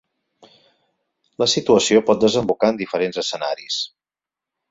La situació pot desembocar en diferents escenaris.